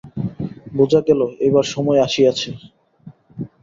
বুঝা গেল, এইবার সময় আসিয়াছে।